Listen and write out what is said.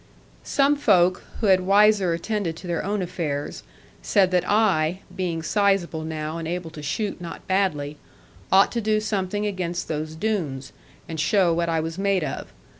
Some folk, who had wiser attended to their own affairs, said that I (being sizeable now, and able to shoot not badly) ought to do something against those Doones, and show what I was made of.